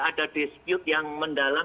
ada dispute yang mendalam